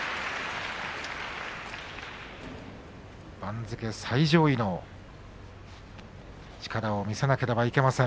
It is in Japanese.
番付最上位の力を見せなければいけません